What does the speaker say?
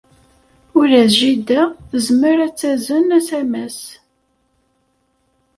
Ula d jida tezmer ad tazen asamas.